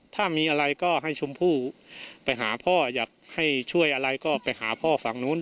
ถ้ามีอะไรก็ให้ชมพู่ไปหาพ่ออยากให้ช่วยอะไรก็ไปหาพ่อฝั่งนู้น